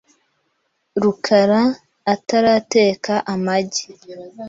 rukara atarateka amagi .